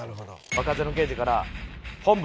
若手の刑事から「本部！